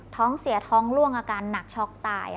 ท้องเสียท้องล่วงอาการหนักช็อกตาย